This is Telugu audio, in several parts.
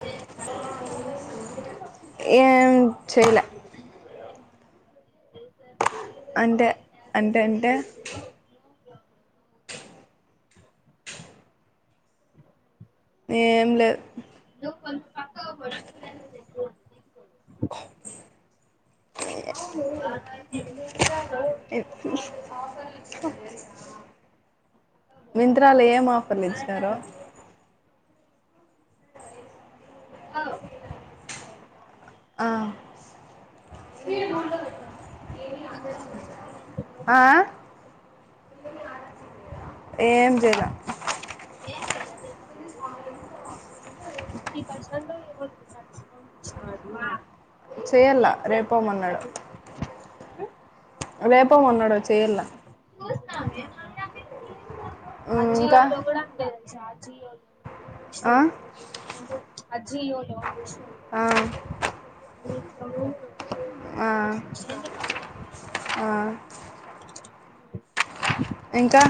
కేతను ఏం చేయల అంటే అంటే అంటే ఏం లేదు.. మింత్రాలో అ మింత్రా లో ఏం ఆఫర్లు ఇచ్చినారు ఓ ఆ ఆ ఆ ఏం చేయల ఏం ఫిఫ్టీ పర్సెంట్ డిస్కౌంట్ ఇచ్చినాడు చేయల్లా రేపు పోమన్నాడు రేపం అన్నడు చేయల్లా ఆజీయో ఇంకా లో గుడ అంతే ఆ ఆజీయో అజియోలో ఆ ఆ ఆ [inaudible] ఇంకా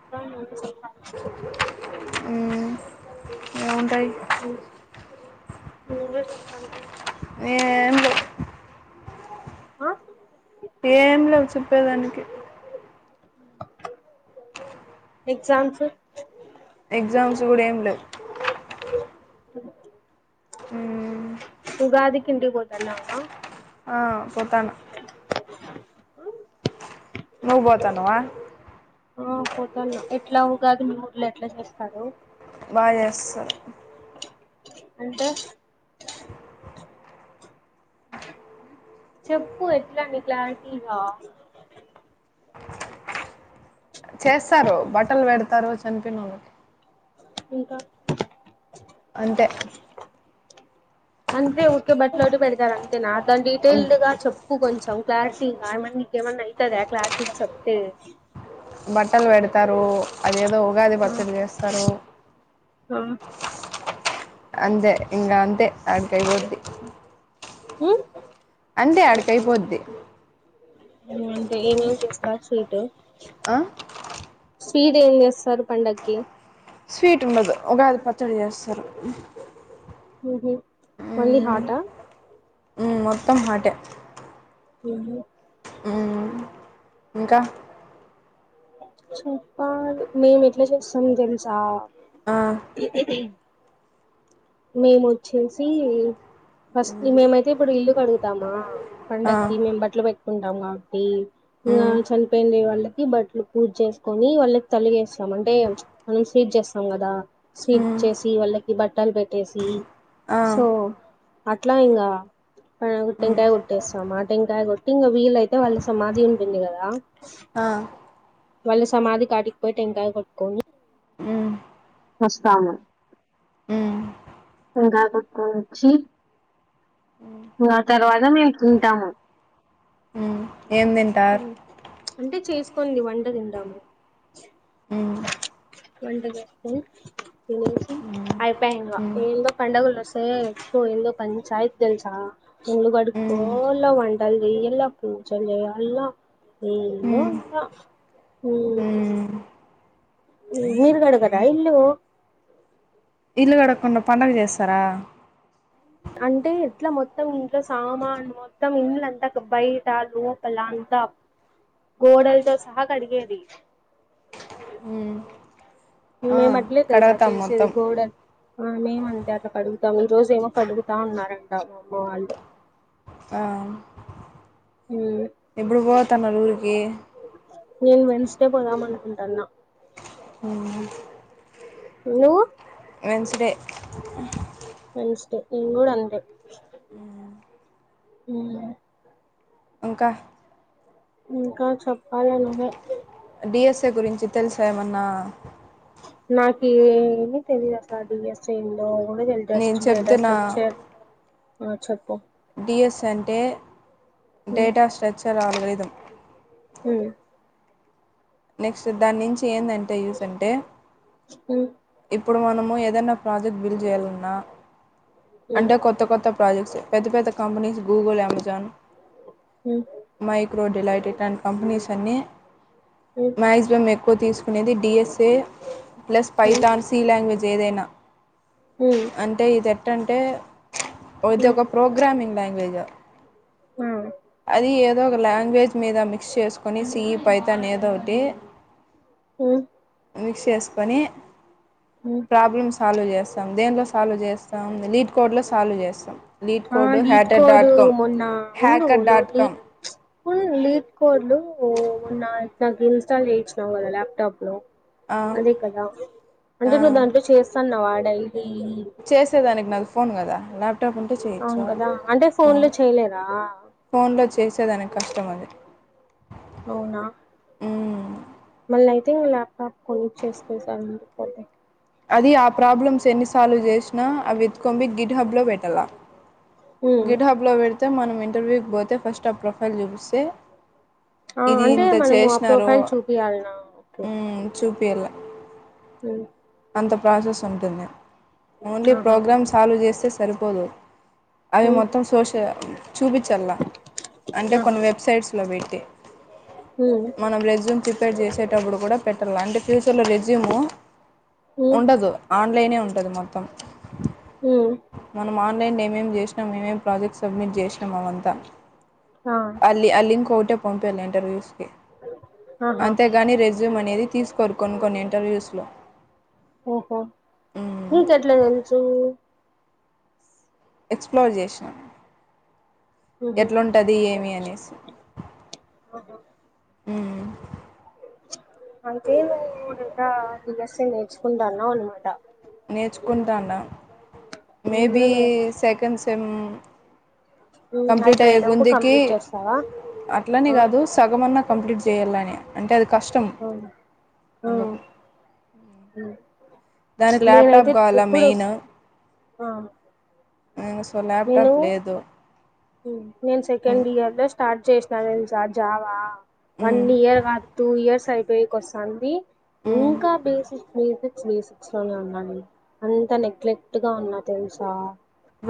ఇంకా మీరే చెప్పాలి ఏముంటాయి ఉమ్ నువ్వే చెప్పాలి ఏం లేవు ఆ ఏం లేవు చెప్పేదానికి ఎగ్జామ్స్ ఎగ్జామ్స్ కూడా ఏం లేవు ఉగాదికిి ఇంటికి బోతనవా ఆ పోతన ఆ హిం నువ్ బోతానవా ఆ పోతన ఎట్లా ఉగాది మీ ఊర్లో ఎట్లా చేస్తారు బా చేస్తారు అంటే చెప్పు ఎట్లాని క్లారిటీగా చేస్తారు బట్టలు పెడతారు చనిపోనవోలకి ఇంకా అంతే అంతే ఉక్కే బట్టలోటి పెడతారు అంతేనా దాని డీటెయిల్డ్ గా చెప్పు కొంచెం క్లారిటీగా ఇంకా ఏమన్నా అయితద క్లాారిటీి చేప్తే బట్టలు వెడతారు అదేదో ఉగాది ఆ పచ్చడి చేస్తారు ఆ అంజె ఇంగఅంతే ఆడికి కైపోద్ది ఉమ్ అంటే అడకైపోద్ది అంటే ఏమేమి చేస్తారు స్వీట్ ఆ స్వీడ్ ఏం ఎస్ సార్ పండక్కి స్వీట్ ఉండదు ఉగాది పచ్చడి చేస్తారు ఉహు ఓన్లీ హాటా ఉమ్ మొత్తం హాట్ ఎ ఉహు ఉమ్ ఇంకా చెప్పలి మేము ఎట్లా చేస్తామొ తెలుసా ఆ ఇ మేముొచ్చేసి ఫస్ట్ మేమైతే ఇప్పుడు ఇల్లు కడుగుతామా ఆ పండక్కి మేము బట్టలు పెట్టుకుంటాం కాబట్టి ఇంకా మ్మ్ చనిపోయిండ వాళ్ళకి బట్టలు పూజ చేసుకొని వాళ్ళకి తలి వేస్తాం అంటే మనం స్వీట్ చేస్తాం కదా స్వీట్ మ్మ్ చేసి వాళ్ళ వాళకి బట్టలు పెట్టేసి ఆ సో అట్లా ఇంకా టెంకాయ కొట్టేస్తామా ఆ టెంకాయ కొట్టి ఇంకా వీళ్ళైతే వాళ సమాధి ఉంటుంది కదా ఆ వాళ్ళ సమాధి కాటికి పోయి టెంకాయ కొట్టుకొని మ్మ్ వస్తాము మ్మ్ గకు కొంచి ఆ తర్వాత మేము తింటాము మ్మ్ ఏం తింటారు అంటే చేసు కొన్ని వంట తింటాము మ్మ్ వంట చేసుకొని తిన్నేసి అయిపాయింగా ఎందొ పండగళోస్తే ఎక్కువ ఏందో పంచాయితెల్సా రూంలు కడ్డుకో ఒళ్ళ వంటలు చెయ్యాలా పూచల్ చెయ్యాలా ఏందో అంత మ్ మీర్గడుగరా ఇల్లు ఇల్లు కడగకుండా పడుగ చేస్తారా అంటే ఎట్లా మొత్తం ఇంట్లో సామాను మొత్తం ఇంలంతా బయట లోపల అంతా గోడల్తో సహా కడిగెది ఆ మేము అట్లే తెలుసా ఆ కడగతాం చేసేది మొత్తం గోడ మేము అంటే అలా కడుగు తం రోజు ఏమో కడుగుతా ఉన్నారంట మా అమ్మ వాళ్ళు ఆ మ్మ్ ఎప్పుడు పోతనరు ఊరికి రేప్ పోదాం అనుకుంటాన్న అవునా నువ్ వెడ్నెస్డే నేన్ గుడ అంతే మ్ ఇంకా ఇంకా చెప్పాలనివే డిఎస్ఏ గురించి తెలుసా ఏమన్నా నాకి ఏది తెలిద సాది ఎ సందో తెస్ట్ నేను చెప్తున్న డెటాస్ట్రక్చర్ చెప్ప డిఎస్ఎన్ంటే డేటా స్ట్రక్చర్ అల్గొరితం హ నెక్స్ట్ దాని నుంచి ఏందంటే యూస్ అంటే మ్మ్ ఇప్పుడు మనము ఏదనా ప్రాజెక్ట్ బిల్ చేయాలన్నా అంటే కొత్త కొత్త ప్రాజెక్ట్స్ పెద్ద పెద్ద companies Google Amazon hmm hmm మైక్రోడెలైటిట్ అండ్ కంపెనీస్ అన్ని మాక్సిమం ఎక్కువ తీసుకునేది DSA plus hmm Python C language ఏదైనా మ్మ్ మ్మ్ అంటే సెట్ అంటే ఇది మ్మ్ ఒక ప్రోగ్రామింగ్ లాంగ్వేజ్ హ అది ఏదో ఒక లాంగ్ వెజ్ మీద మిక్స్ చేసుకొని సిఈ పైతాన్ ఏదో ఒకటి మ్మ్ మిక్స్ చేసుకొని మ్మ్ ప్రాబ్లమ్ సాల్వ్ చేస్తాం దేంట్లో సాల్వ్ చేస్తాం లీడ్ కోడ్ లో సాల్వ్ చేస్తాం లీడ్ ఆ code leet hacker code dot com మొన్న హ్యాకర్ డాట్ ఉండులోలీడ్ కామ్ ఫుల్ లీడ్ కోడ్లు నాకు ఇన్స్టాల్ చేయిచ్చినావు కదా ల్యాప్టాప్ లో అదే కదా అంటే నువ్వు దాంట్లో చేస్తాన్నవా డైలీ నది ఫోన్ కదా ల్యాప్టాప్ ఉంటే అవును చేయచ్చు కదా అంటే ఫోన్ లో చేయలేదా ఫోన్లో చేసేదానికి కష్టం అది అవునా మ్మ్. మళ్ళీ అయితే ఇంగా ల్యాప్టాప్ కొనిచ్చేసుకుంటాను ఇంటికిపోతే అది ఆ ప్రాబ్లమ్స్ ఎన్ని సాల్వ్ చేసినా అవి ఎత్తుకొని బోయ్ గిడ్ హబ్లో పెట్టాల ఉమ్ గిడ్ హబ్లో పెడితే మనం ఇంటర్వ్యూకి పోతే ఫస్ట్ ఆ ప్రొఫైల్ చూపిస్తే ఆ ఇది అంటే ఇంత మనము ఆ చేసినారో ప్రొఫైల్ చూపియాలనా ఓకే ఉమ్ చూపియల్ల ఉమ్ ప్రాసెస్ ఉంటుంది ఓన్లీ ఆహా ప్రోగ్రామ్ సాల్వ్ చేస్తే సరిపోదు అవి ఉమ్ మొత్తం సోష చూపిచ్చాలా అంటే ఆహా కొన్ని వెబ్ సైట్స్ లో పెట్టి ఉమ్ మనం రెస్యూమ్ ప్రిపేర్ చేసేటప్పుడు కూడా పెట్టాల అంటే ఫ్యూచర్లో రెస్యూము ఉమ్ ఉండదు ఆన్లైనే ఉంటది మొత్తం హుమ్ ఆన్లైన్ ఏమేం చేసినాం యేమేం ప్రాజెక్ట్ సబ్మిట్ చేసినాం అవంతా ఆ అల్లి ఆ లింకు ఒకటే పంపియాలి ఇంటర్వ్యూస్ కి ఆహా అంతేగాని రెజ్ జ్యూమ్ అనేది తీసుకోరు కొన్ కొన్ని ఇంటర్వ్యూస్ లో ఓహో నీకెట్ల తెలుసు ఎక్స్ ఫ్లోర్ చేసినాను ఉహు ఎట్లుంటది ఓకే ఏమి అనేసి ఉమ్ అంతే నువ్వు [unintelligible] డిఎస్ఏ నేర్చుకుంటన్నావ్ అనమాట నేర్చుకుంటాన్న మేబీ నువ్వే నేర్లే సెకండ్ సెమ్ ఉమ్ అయిపోయేలోపు కంప్లీట్ చేస్తావా అట్లనే ఆ కాదు సగమన్నా కంప్లీట్ జేయాల్లని అంటే అది కష్టం ఆ ఆ అందుకు దానికి ల్యాప్టాప్ నేనైతే కావాలా ఎప్పుడుస్ మెయిన్ ఆ హ్మ్ సో నేను ల్యాప్టాప్ లేదు నేను సెకండ్ ఇయర్ లో స్టార్ట్ చేసినా తెలుసా జావా వన్ ఇయర్ కాదు టూ ఇయర్స్ అయిపోయికి వస్తాంది ఇంకా బేసిక్ బేసిక్స్ బేసిక్స్ లోనే ఉన్నా నేను అంత నెగ్లెక్ట్ గా ఉన్నా తెలుసా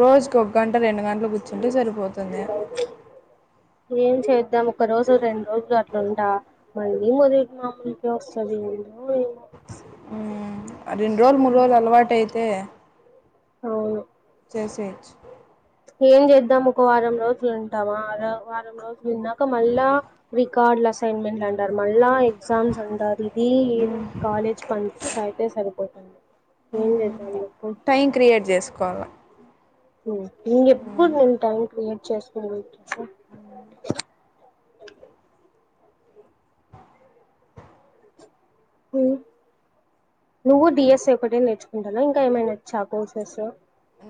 రోజుకి ఒక గంట రెండు గంటలు కూర్చుంటే సరిపోతుంది ఏం చేద్దాం ఒక రోజు రెండు రోజులు అట్లుంటా మళ్ళీ మొదటి మామూలుకే వస్తుంది ఏం దో రెండు రోజులు మూడు రోజులు అలవాటు అయితే అవును చేసేయొచ్చు ఏం చేద్దాం ఒక వారం రోజులు ఉంటామా వారం రోజులు ఉన్నాక మళ్ళా రికా ర్డులూ అసైన్మెంట్ అంటారు మళ్ళా ఎగ్జామ్స్ అంటారు అది ఏదోటి కాలేజ్ పంచాయితే సరిపోతాన ఏం చేద్దాం చెప్పు టైం క్రియేట్ చేసుకోవాలి నువ్వు చెప్పు నేను టైమ్ కి చేస్తాను ఆ నువ్వు డిఎస్ ఒకటే నేర్చుకుంటన ఇంకా ఏమైనావచ్చా కోర్సెస్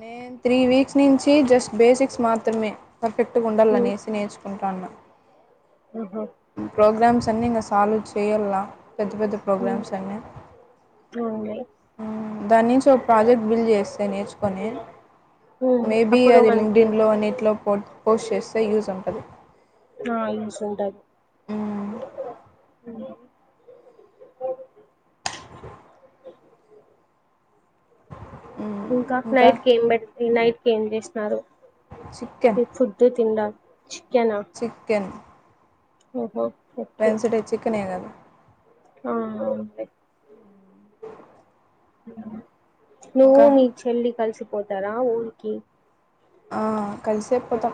నేను త్రీ వీక్స్ నుంచి జస్ట్ బేసిక్స్ మాత్రమే పర్ఫెక్ట్ గా ఉమ్, ఉండాలనేసి నేర్చు ఉంటానా ఆహా ప్రోగ్రామ్స్ అన్ని ఇంగా సాల్వ్ చేయలా పెద్ద పెద్ద ఉమ్, ప్రోగ్రామ్స్ అన్ని అవునులే దాని నుంచి ఒక ప్రాజెక్ట్ బిల్డ్ చేస్తే నేర్చుకొని ఉమ్, మేబీ అప్పుడు అది మనకి లింగ్డిన్లో అన్నిట్లో పోట్ పోస్ట్ చేస్తే యూస్ ఉంటది ఆ యూస్ ఉంటది ఇంకా నైట్క్ ఏం పెట్ నైట్క్ ఏం చేసినారో చికెన్ ఏ ఫుడ్తో తిండా చికెనా ఓహో ఓకే వెడ్నెస్డే చికెన్ కదా ఆ అంతే నువు ఇంకా మీ చెల్లి కలిసిపోతారా ఊరికి ఆ కలిసేపోతాం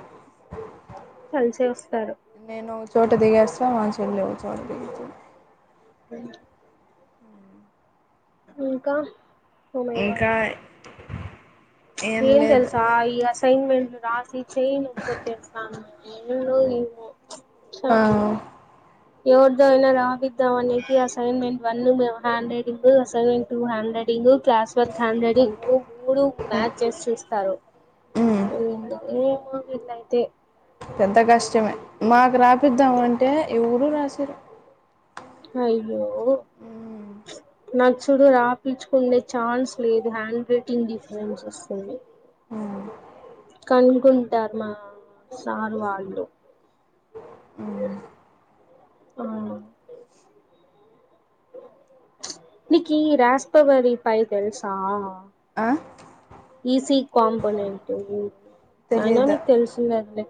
కలిసే వస్తారు నేను ఓ చోట దిగేస్తా మా చెల్లె ఓ చోట దిగుంతుంది హు ఇంకా ఓ మై గాడ్ ఇంకా ఏం తెలుసా ఈ అసైన్మెంట్ రాసి చెయ్యి నీపైవచ్చేస్తది ఎల్లులో ఏమో ఆ ఎవరితో అయినా రాయిపిదాం అవనికే అసైన్మెంట్ వన్ మేం హ్యాండ్రెడింగు అసైన్మెంట్ టూ హాండ్రెడింగు క్లాస్వర్ హ్యాండ్రేడింగ్ మూడు మ్యాచ్ చేసి చూస్తారు హు నీకు వినయితే పెద్ద కష్టమే మాకు రాపిందామంటే ఎవరు రాసిరు అయ్యో నాకు చూడు రాపిచకునే ఛాన్స్ లేదు హ్యాండ్రేడింగ్ డిఫరెన్స్ వస్తుంది కనకుంటారు మా సార్ వాళ్ళు ఆ నీకి ఈ రాష్ట్రపరి పై తెలుసా ఆ ఈసీ కంపోనేటు ఉ అయినా తెలీదు నీకు తెల్సుండదలే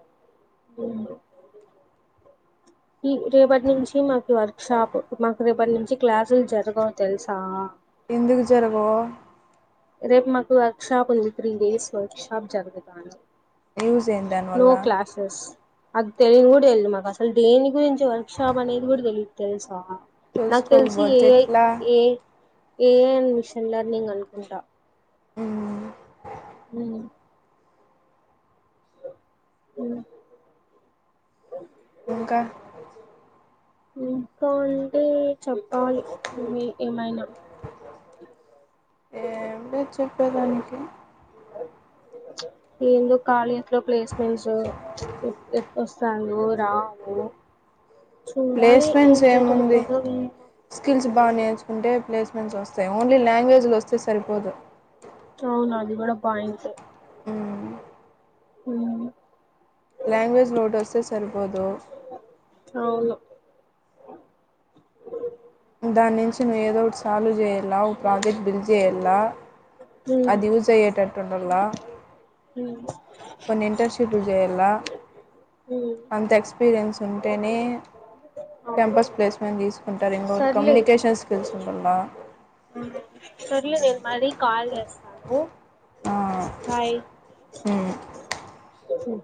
ఈ రేపటి నుంచి మాకు వర్క్ షాపు మాకు రేపటి నుంచి క్లాసులు జరగవు తెలుసా ఎందుకు జరగొవ్ రేపు మాకు వర్క్ షాప్ ఉంది త్రీ డేస్ వర్క్ షాప్ జరుగుతాంది యూజ్ ఏంటి నో దానివల్ల క్లాసెస్ అది తెలియదు కూడా తెలీదు మాకు అసలు దేని గురించి వర్క్ షాప్ అనేది కూడా తెలీయదు తెలుసా నాకు తెలిసి తెలుసుకోకపోతే ఏఐ ఎట్లా ఏ ఏఐ మిషన్లర్నిగ్ అనుకుంటా హు హు హు ఓ ఇంకా ఇంకా అంటే చెప్పాలి మీ ఏమైనా ఏం లేదు చెప్పేదానికి ఏందో కాలేజ్ లో ప్లేస్మెంటసు ఎపడ్ యంట్లాస్తానందో రావు చూడాలి ఏం ప్లేస్మెంట్స్ జరుగుతదో వేమో బా నేర్చుకుంటే ప్లేస్మెంట్స్ వస్తాయి ఓన్లీ లాంగ్వేజ్లు వస్తే సరిపోదు అవును అది కూడా పాయింటే హు లాంగ్వేజ్ ఒకటి వస్తే సరిపోదు అవును దాని నుంచి నువ్వు ఏదో ఒకటి సాల్వ్ చేయలా ప్రాజెక్ట్ బిల్ చేయలా ఉమ్ అది యూస్ అయ్యేటట్టు ఉండలా ఉమ్ కొన్ని ఇంటర్న్షిప్లు చేయాల ఉమ్ అంత ఎక్స్పీరియన్స్ ఉంటేనే అవును కెంపస్ ప్లేస్మెంట్ తీసుకు ఉంటారు ఇంకోటి సర్లే కమ్యూనికేషన్ స్కిల్స్ ఉండాలా సర్లే నేను మళ్ళి కాల్ చేస్తాను బాయ్ హుమ్ హ్మ్